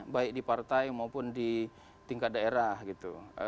baik di partai maupun di tingkat daerah gitu